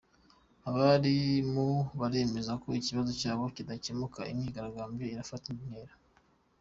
Abarimu baremeza ko ikibazo cyabo nikidakemuka imyigaragambyo irafata indi ntera.